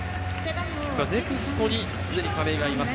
ネクストにすでに亀井がいます。